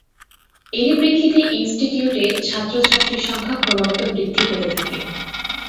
এরই প্রেক্ষিতে ইনস্টিটিউটে ছাত্র-ছাত্রীর সংখ্যা ক্রমাগত বৃদ্ধি পেতে থাকে।